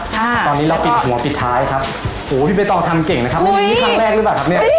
ค่ะตอนนี้เราปิดหัวปิดท้ายครับโหพี่ใบตองทำเก่งนะครับนี่ครั้งแรกหรือเปล่าครับเนี่ย